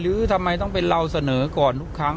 ทำไมต้องเป็นเราเสนอก่อนทุกครั้ง